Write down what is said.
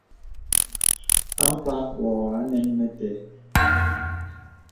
Ampâ wɔ̄ ànə̀n mə têê.